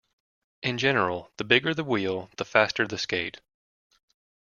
In general, the bigger the wheel, the faster the skate.